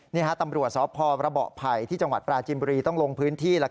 นี่ปราจินบุรีต้องลงพื้นที่